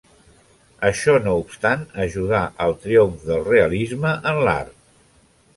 Això no obstant, ajudà al triomf del realisme en l'art.